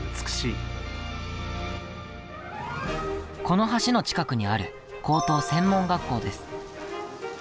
この橋の近くにある高等専門学校です。